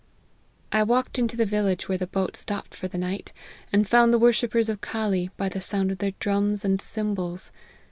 I walked into the village where the boat stopped for the night, and found the worshippers of Call by the sound of their drums and cymbals.